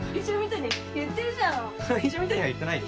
怪獣みたいには言ってないよ。